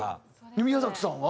宮崎さんは？